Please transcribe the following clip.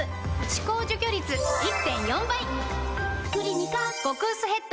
歯垢除去率 １．４ 倍！